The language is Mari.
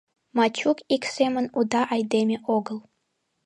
Мачук ик семын уда айдеме огыл.